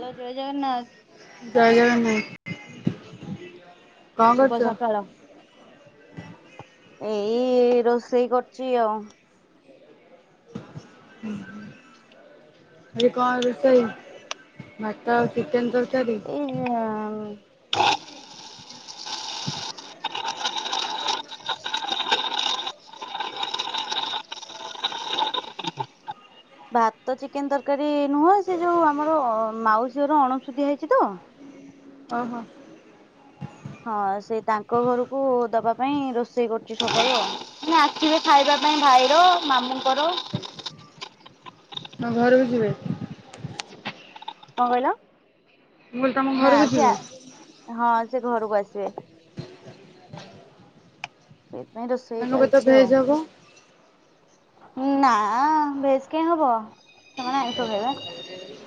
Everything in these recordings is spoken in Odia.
ହାଲୋ ଜୟ ଜଗନ୍ନାଥ। ଜୟ ଜଗନେ ଶୁଭ ସକାଳ। ଏଇ ରୋଷେଇ କରୁଚି ଆଉ। ଉଁ ହୁଁ। ଆଜି କଣ ରୋଷେଇ ମାଛ ଆଉ ଚିକେନ ତରକାରୀ। ଏଇ [inaudible] ଭାତ ଚିକେନ ତରକାରୀ ନୁହଁ ସେ ଯୋଉ ଆମର ମାଉସୀର ଅଣୁସୁଧିଆ ହେଇଛି ତ। ଓହୋ। ହଁ ସେ ତାଙ୍କ ଘରକୁ ଦବା ପାଇଁ ରୋଷେଇ କରୁଛି ସକାଳେ ଆଉ। ଆସିବେ ଖାଇବା ପାଇଁ ଭାଇର ମାମୁଁଙ୍କର। ହଁ ଘରକୁ ଯିବେ। କଣ କହିଲ ମୁଁ କହିଲି ତମ ନା ଘରକୁ ସେ। ଯିବେ? ହଁ ସେ ଘରକୁ ଆସିବେ। ସେଇପାଇଁ ରୋଷେଇ ତାଙ୍କ ପାଇଁ ତ ଚାଲିଛି ଭେଜ ଆଉ। ହବ। ନା ବେଶ କେ ହବ ସେମାନେ ଆଣିଷୁ।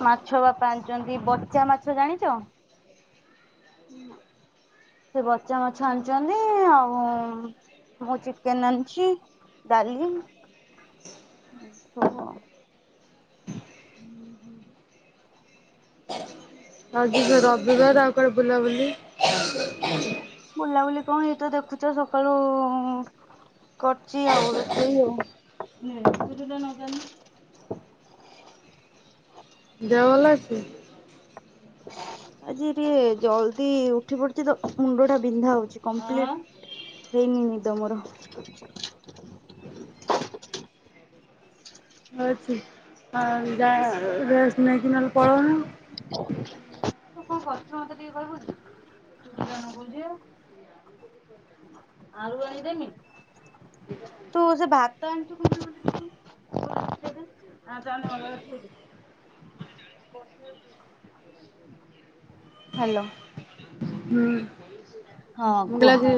ମାଛ ବାପ ଆଣିଛନ୍ତି ବଚା ମାଛ ଜାଣିଛ। ସେ ବଚା ମାଛ ଆଣିଛନ୍ତି ଆଉ। ମୁଁ ଚିକେନ ଆଣିଛି ଡାଲି ହଁଜି ସ ରବିିବ ତା କଡ ବୁଲାବୁଲି ବୁଲାବୁଲି କଣ ଏଇ ତ ଦେଖୁଛ ସକାଳୁ। କରଚି ଆଉ ରୋଷେଇ ଆଉ ତୁ ଯୋଟା ଲଗାନି। ଦେହ ଭଲ ଅଛି? ଆଜି ଟିକେ ଜଲଦି ଉଠି ପଡିଛି ତ, ମୁଣ୍ଡ ଟା ବିନ୍ଧା ହଉଛି କମ୍ପ୍ଲିଟ ହେଇନି ନିଦମର। ଆଉ ଆସିବି ହଁ, ଯା ରେସ୍ ନେଇକି ନହେଲେ ପଳଉନ। ତ କଣ କରଛ ମତେ ଟିକେ କିହିବୁନି? ତୁ ତଜାଣି ବୁଝେ ଆଳୁ ଆଣିଦେମି? ତୁ ସେ ଭାତ ଆଣଛୁ ବୋଲି [inaudible] ହ୍ୟାଲୋ। ହୁଁ। ହଁ ଆ ମୁଁ କହିଲି କୁହ? ଆଜି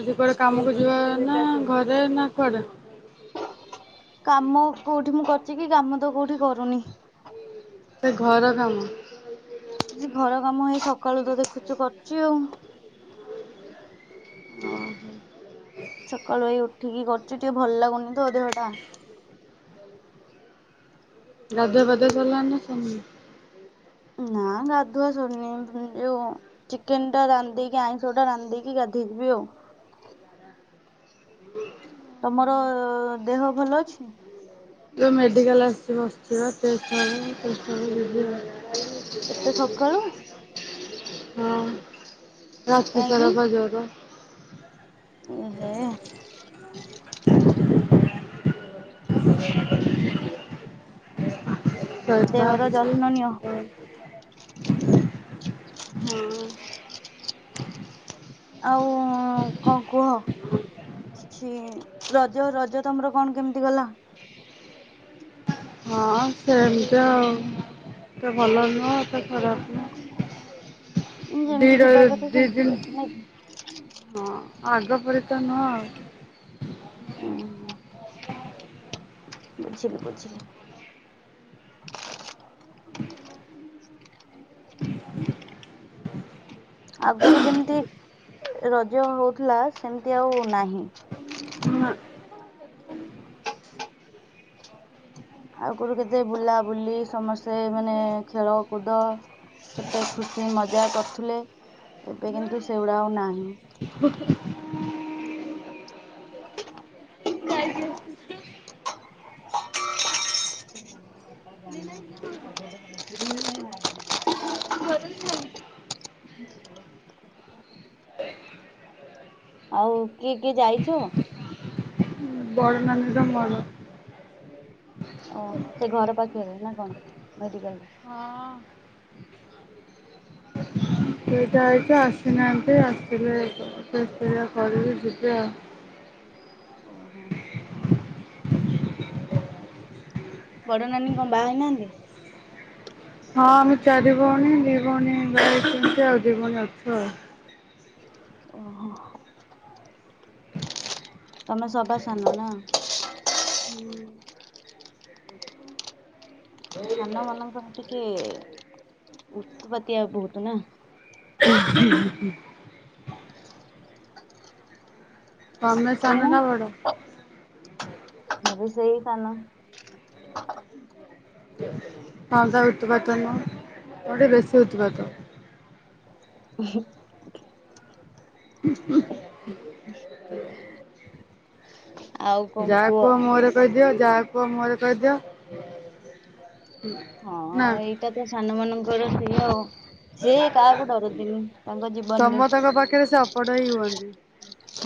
ଆଜି କୁଆଡେ କାମକୁ ଯିବା ନା ଘରେ ନା କୁଆଡେ? କାମ କୋଉଠି ମୁଁ କରିୁଛି କି? କାମ ତ କୋଉଠି କରୁନି। ସେ ଘର କାମ। କି ଘର କାମ ହେଇ ସକାଳୁ ତ ଦେଖୁଛୁ କରୁଛି ଆଉ। ଓହୋ। ସକାଳୁ ହେଇ ଉଠିକି କରୁଛି ଟିକେ ଭଲ ଲାଗୁନି ତ ଦେହଟା। ଗାଧୁଆ ପାଧୁ ଆ ସାରିଲାଣି ନାଁ ସରିନି। ନାଁ ଗାଧୁଆ ସରିନି। ଚିକେନ ଟା ରାନ୍ଧିକ ଆଇଁଷ ଟା ରାନ୍ଧିିକି ଗାଧୋଇେଇିବି ଆଉ। ତମର ଦେହ ଭଲ ଅଛି। [unintelligible] ହଁ। ରାତି ଏତେ ସକାଳୁ କାହିଁକି? ସାରା ପା ଜର ଏ‌ହେ। ଶୋଇବା ଦେହର ଅଛି। ଯତ୍ନ ନିଅ। ହଁ। ଆଉ କଣ କୁହ? କିଛି ରଜ ରଜ ତମର କଣ କେମିତି ଗଲା? ହଁ ସେମତି ଆଉ ଏତେ ଭଲ ନୁହଁ ଏତେ ଖରାପ ନୁହଁ। ଯେମିତି ଦିଟ ଯିବା କଥା ଦି ସେମିତି ଯାଇଛି ଦିନ ନାଇଁ କି? ହଁ ଆଗ ପରି ତ ନୁହଁ ଆଉ। ହୁଁ, ହୁଁ। ବୁଝିଲି ବୁଝିଲି। ଆଗରୁ ଯେମିତି ରଜ ହଉଥିଲା। ସେମିତି ଆଉ ନାହିଁ। ଆଗରୁ କେତେ ବୁଲାବୁଲି ସମସ୍ତେ ମାନେ ଖେଳ କୁଦ କେତେ ଖୁସି ମଜା କରୁଥିଲେ। ଏବେ କିନ୍ତୁ ସେଉଡା ଆଉ ନାହିଁ। ଝଇଲି ଝାଉଁ। ଉ କିଏ କିଏ ଯାଇଚ? ବଡ଼ ନାନିର ମୋର। ଅ ହୋ ସେ ଘର ପାଖରେ ନା କଣ? ମେଡିକାଲରେ। ହଁ ଏଇଟା ଏଇଟା ଆସିନାହାନ୍ତି ଆସିବେଦେବେ କରିବି ଯିବେ ଆଉ। ବଡ଼ ନାନୀଙ୍କ ବାହା ହେଇନାହାନ୍ତି? ହଁ ଆମେ ଚାରି ଭଉଣୀ। ଦି ଭଉଣୀ ବାହା ହେଇଛନ୍ତି, ଆଉଦି ଭଉଣୀ ଅଛୁ ଆଉ। ଓହୋ ତମେ ସବା ସାନ ନା? ସାନମାନାନଙ୍କର ଟିକେ ଉତ୍ପତ୍ତିଆ ବହୁତ ନା? ତମେ ସାନ ନା ବଡ? ମୁ ବି ସେଇ ସାନ। ତମେତ ଭତ୍ପାତ ନୁହଁ ବଡ଼ଟି ବେଶୀ ଉତ୍‌ପାତ [unintelligible] [unintelligible] ଆଉ କଣ ଯାହା କୁହ? କୁଅ ମୁହଁରେ କହିଦିଅ, ଯାହା କୁଅ ମୁହଁରେ କହିଦିଅ। ହଁ ନା ଏଇଟା ତ ସାନ ମାନଙ୍କର ସିଅ ସିଏ କାହାକୁ ଡରନ୍ତିନି। ତାଙ୍କ ଜୀବନରେ ସମସ୍ତଙ୍କ ପାଖରେ ସେ ଅପଡ଼ ହୋଇ ରୁଅନ୍ତି।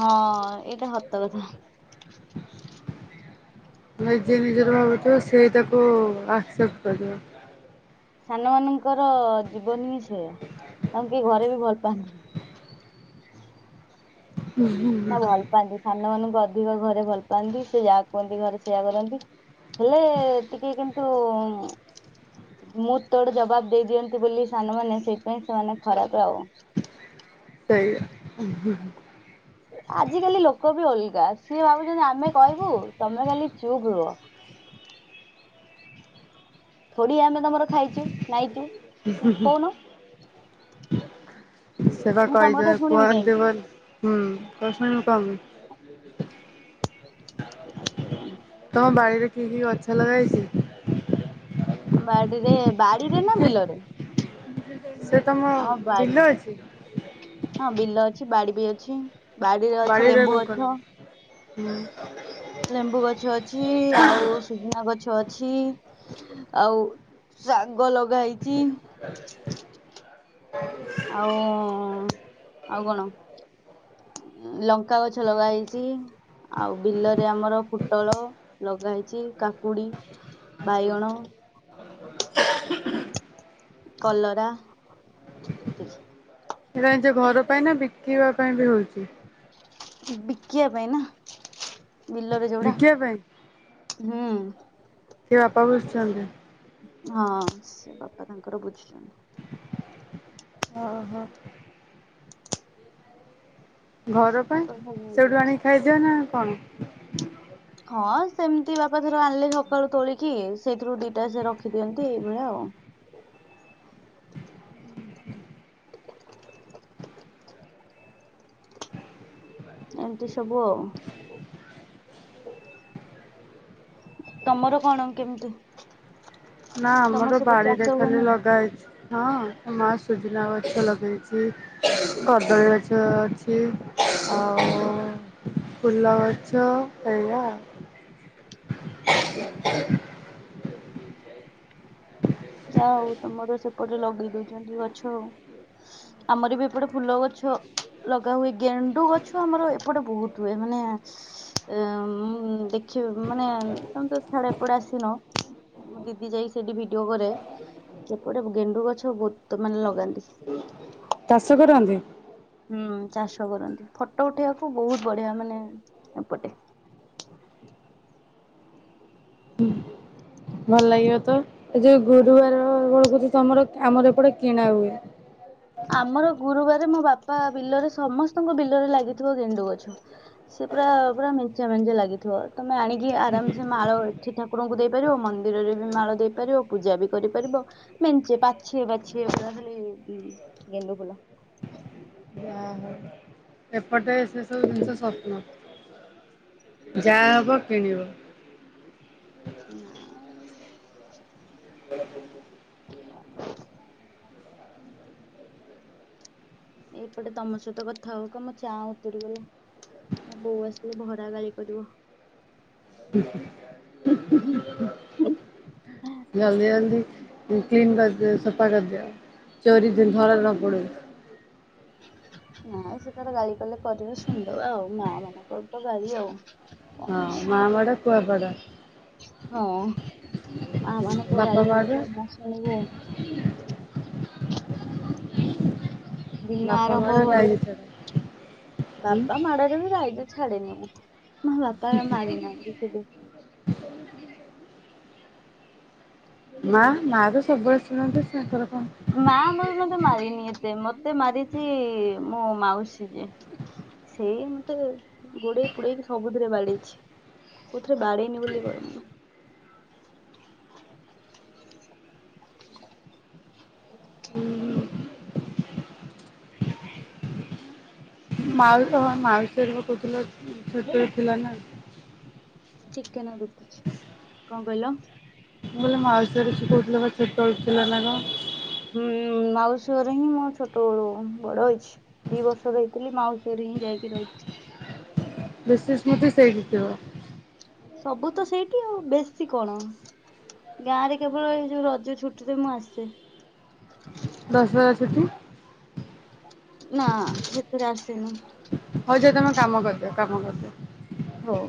ହଁ--ଏଇଟା ସତ କଥା ନାଇଁ ଯିଏ ନିଜର ଭାବୁଥିବ ସେ ଏ ତାକୁ ଆକ୍ସେପ୍ଟ କରିବ ସାନ ମାନଙ୍କର ଜିବନୀ ବିଷୟରେ ତାଙ୍କୁ କିଏ ଘରେ ବି ଭଲ ପାଆନ୍ତିନି। ନା ଭଲ ପାଆନ୍ତି, ସାନ ମାନଙ୍କୁ ଅଧିକ ଘରେ ଭଲ ପାଆନ୍ତି, ସେ ଯାହା କୁହ୍ନ୍ତି ଘରେ ସେଇଆ କରନ୍ତି। ହେଲେ ଟିକେ କିନ୍ତୁ ମୁଁ ତୋଡ ଜବାବ ଦେଇ ଦିଅନ୍ତି ବୋଲି ସାନମାନେ ସେଇପାଇଁ ସେମାନେ ଖରାପ ଆଉ ସେଇଆ। ଆଜିକାଲି ଲୋକ ବି ଓଲଗା ସିଏ ଭାବୁଚ଼ନ୍ତି ଆମେ କହିବୁ ତମେ ଖାଲି ଚୁପ୍ ରୁହ। ଖୁଡି ଆମେ ତମର ଖାଇଛୁ ନାଇଚୁ କୋଉନ। ସେବା ମୁଁ ତମ କହିଯା କଥା ଶୁଣିବି କୁହନ୍ତି କାହିଁକି? ବୋଲି ହୁଁ କିଛି ମୁଁ କହୁନି। ମରିଗଲି ମୁଁ ତମ ବାଇରେ କି କି ଗଛ ଲଗା ହେଇଛି? ବାଡିରେ, ବାଡିରେ ନା ବିଲରେ? ସେ ତମ ଆମ ବାଡି। ବିଲ ଅଛି ହଁ, ବିଲ ଅଛି ବାଡି ବି ଅଛି। ବାଡିରେ ଅଛି ଲେମ୍ବୁ କଣ କଣ ଗଛ ହୁଁ ଲେମ୍ବୁ ଗଛ ଅଛି, ଆଉ ସୁୁଜୁନା ଗଛ ଅଛି। ଆଉ ଶାଗ ଲଗା ହେଇଛି ଆଉ ଆଉ କଣ। ଲଙ୍କା ଗଛ ଲଗା ହେଇଚି। ଆଉ ବିଲରେ ଆମର ପୋଟଳ ଲଗା ହେଇଛି, କାକୁଡି ବାଇଅଣ କଲରା ଏତିକି ସେଇଟା ନିଜ ଘର ପାଇଁ ନା ବିକିବା ପାଇଁ ବି ହଉଛି। ବିକିଆ ପାଇଁ ନା ବିଲରେ ଯଉଡ଼ା ବିକିବା ପାଇଁ? ହୁଁ। କିଏ ବାପା ବୁଝୁଛନ୍ତି ହଁ ସେ ବାପା ତାଙ୍କର ବୁଝୁଛନ୍ତି। ଓ ହୋ। ଘର ସିଏ ପାଇଁ ତାଙ୍କର ସବୁ ସେଇଠୁ ବୁଝଉଛି। ଆଣିକି ଖାଇଦିଅ ନା କଣ? ହଁ ସେମତି ବାପା ଧର ଆଣିଲେ ସକାଳୁ ତୋଳିକି ସେଇଥିରୁ ଦିଟା ସେ ରଖିଦିଅନ୍ତି ଏଇଭଳିଆ ଆଉ। ଏମତି ସବୁ ଆଉ। ତୋମର କଣ କେମତି? ନା ଆମର ବାଡିରେ ଖାଲି ଲଗା ହେଇଛି। ହଁ ମା ସୁଜୁନା ଗଛ ଲଗେଇଛି। କଦଳୀ ଗଛ ଅଛି। ଆଉ ଫୁଲ ଗଛ ଏଇଆ। ଓହୋ [unintelligible] ଯା ହଉ ତୋମର ସେପଟେ ଲଗେଇ ଦଉଛନ୍ତି ଗଛ। ଆମର ବି ଏପଟେ ଫୁଲ ଗଛ ଲଗା ହୁଏ, ଗେଣ୍ଡୁ ଗଛ ଆମର ଏପଟେ ବହୁତ ହୁଏ। ମାନେ ଏ, ଉଁ, ଦେଖିବ ମାନେ ତୋମେ ତ ଛାଡ ଏପଟେ ଆସିନ। ମୋ ଦିଦି ଯାଇ ସେଠି ଭିଡିଓ କରେ। ସେପଟେ ଗେଣ୍ଡୁ ଗଛ ବହୁତ ମାନେ ଲଗାନ୍ତି। ଚାଷ କରନ୍ତି? ହୁଁ ଚାଷ କରନ୍ତି, ଫଟୋ ଉଠେଇବାକୁ ବହୁତ ବଢିଆ ମାନେ ଏପଟେ। ଭଲ ଲାଗିବ ତ, ଏ ଯୋଉ ଗୁରୁବାର ବଳକୁ ତି ତୋମର ଆମର ଏପଟେ କିଣା ହୁଏ। ଆମର ଗୁରୁବାର ମୋ ବାପା ବିଲରେ ସମସ୍ତଙ୍କ ବିଲରେ ଲାଗିଥିବ ଗେଣ୍ଡୁ ଗଛ। ସେ ପୁରା ପୁରା ମେଞ୍ଚା ମେଞ୍ଚା ଲାଗିଥିବ। ତୋମେ ଆଣିକି ଆରାମସେ ମାଳ ଠି ଠାକୁରଙ୍କୁ ଦେଇପାରିବ। ମନ୍ଦିରରେ ବି ମାଳ ଦେଇପାରିବ, ପୂଜା ବି କରିପାରିବ। ମେଞ୍ଚେ ପାଛିଏ ପାଛିଏ ପୁରା ଖାଲି ଉଁ, ଗେଣ୍ଡୁ ଫୁଲ। ଯା ହଉ। ଏପଟେ ସେ ସବୁ ଜିନିଷ ସ୍ୱପ୍ନ। ଯାହା ହବ କିଣିବ। ଏଇପଟେ ତୋମ ସହିତ କଥା ହଉକ ମୋ ଚା ଉତରିଗଲା। ମୋ ବୋଉ ଆସିଲେ ଭରା ଗାଳି କରିବ। ହୁଁ, ହୁଁ। ହୁଁ। ଆହା। ଜଲଦି ଜଲଦି ଉଁ, କ୍ଲିନ୍ କରଦିଅ, ସଫା କରଦିଅ। ଚୋରି ଯେନ୍ ଧରା ନ ପଡୁ। ନାଇ ସିଏ ତାର ଗାଳି କଲେ କରିବ ଶୁଣିଦବା ଆଉ, ମା ମାନଙ୍କର ତ ଗାଳି ଆଉ। କଣ ହଁ ଅଛି। ମା ମାଡ କୁଆପାଡ। ହଁ ମା ମାନଙ୍କ ବାପା ଗାଳି ମାଡ ଯଦି ନ ଶୁଣିବୁ ଦିନ ବାପା ମାଡ ଆରମ୍ଭ ହବନି। ରାଇଜ ଛାଡ। ବାପା ମାଡରେ ବି ରାଇଜ ଛାଡେନି ମୁଁ, ମୋ ବାପା ମାରି ନାହାନ୍ତିି କେବେ। ମା ମା ତ ସବୁବେଳ ଶୁଣନ୍ତି ତାଙ୍କର କଣ। ମା ମୋର ମୋତେ ମାରିନି ଏତେ। ମୋତେ ମାରିଛି ମୋ ମାଉସୀ ଯେ। ସେଇ ମୋତେ ଗୋଡେଇ ପୁଡେଇକି ସବୁଥିରେ ବାଡେଇଛି। କୋଉଥିରେ ବାଡେଇନି ବୋଲି କହିବୁନୁ। ମାଉ ଓ ହଁ ମାଉସୀ ଘରେ ପା କହୁଥୁଲ ଛୋଟବେଳେ ଥିଲା ନା। କଣ କହିଲ? ମୁଁ କହିଲି ମାଉସୀ ଘରେ ଏ କହୁଥିଲ ପା ଛୋଟବେଳୁ ଥିଲନା କଣ? ହୁଁ, ମାଉସୀ ଘରେ ହିଁ ମୋ ଛୋଟ ବଳୁ ବଡ ହେଇଛି। ଦି ବର୍ଷ ର ହେଇଥିଲି ମାଉସୀ ଘରେ ହିଁ ଯାଇକି ରହିଛି। ବେଶୀ ସ୍ମୃତି ସେଇଠି ଥିବ। ସବୁ ତ ସେଇଠି, ଆଉ ବେଶୀ କଣ। ଗାଁ ରେ କେବଳ ଏଇ ଯୋଉ ରଜ ଛୁଟିରେ ମୁଁ ଆସେ। ଦଶହରା ଛୁଟି। ନା ସେଥିରେ ଆସିନି। ହଉ ଯା ତମେ କାମ କରିଦିଅ କାମ କରିଦଅ। ହଉ।